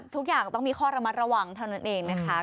ทุกอย่างต้องมีข้อระมัดระวังเท่านั้นเองนะคะ